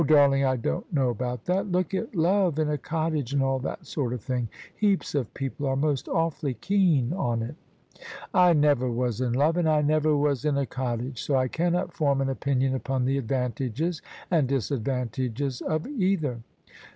darling, I don't know about that Look at love in a cottage, and all that sort of thing. Heaps of people are most awfully keen on it." " I never was in love and I never was in a cottage: so I cannot form an opinion upon the advantages and disad vantages of either."